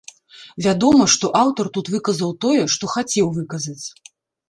Вядома, што аўтар тут выказаў тое, што хацеў выказаць.